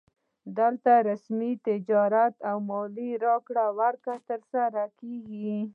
دلته رسمي تجارت او مالي راکړه ورکړه ترسره کیږي